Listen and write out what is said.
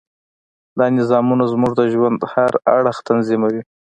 دا نظامونه زموږ د ژوند هر اړخ تنظیموي.